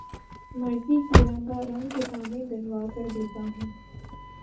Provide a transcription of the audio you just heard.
مرضی کی رنگار نگ کتابیں دلوا کر دیتا ہوں